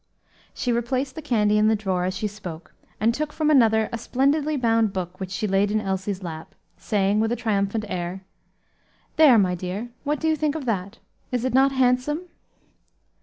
She replaced the candy in the drawer as she spoke, and took from another a splendidly bound book which she laid in Elsie's lap, saying, with a triumphant air, "There, my dear, what do you think of that? is it not handsome?"